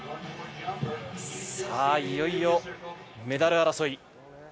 いよいよメダル争い。